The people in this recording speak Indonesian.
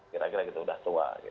kira kira sudah tua